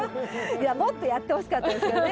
いやもっとやってほしかったですよね。